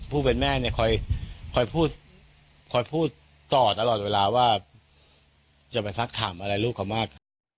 ผู้เป็นแม่เนี่ยคอยพูดตลอดเวลาว่าจะไปสักถามอะไรลูกเขามาก